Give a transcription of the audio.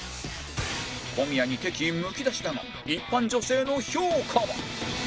小宮に敵意むき出しだが一般女性の評価は？